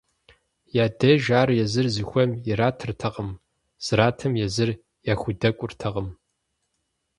Я деж ар езыр зыхуейм иратыртэкъым, зратым езыр яхудэкӏуэртэкъым.